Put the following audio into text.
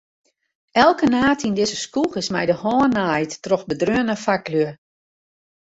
Elke naad yn dizze skoech is mei de hân naaid troch bedreaune faklju.